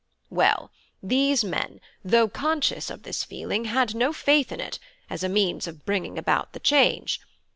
"Well, these men, though conscious of this feeling, had no faith in it, as a means of bringing about the change.